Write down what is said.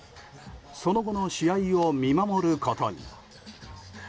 その後の試合を見守ることに。